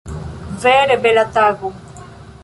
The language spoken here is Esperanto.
Vere bela tago!